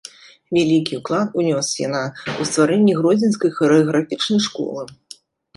Вялікі ўклад унёс яна ў стварэнні гродзенскай харэаграфічнай школы.